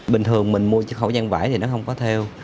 bình thường mình mua chiếc khẩu trang vải thì nó không có theo